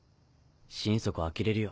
心底あきれるよ。